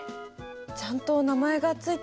ちゃんと名前が付いてるんだ。